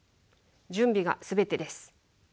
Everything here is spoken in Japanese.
準備が全てです。